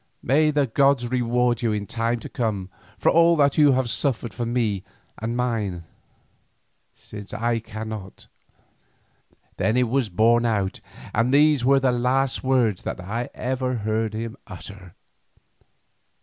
May the gods reward you in times to come for all that you have suffered for me and mine, since I cannot." Then he was borne out and these were the last words that I ever heard him utter.